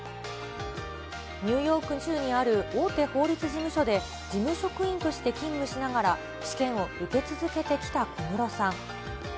ニューヨーク州にある大手法律事務所で、事務職員として勤務しながら、試験を受け続けてきた小室さん。